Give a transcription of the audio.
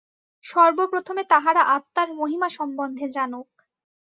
সর্বপ্রথমে তাহারা আত্মার মহিমা সম্বন্ধে জানুক।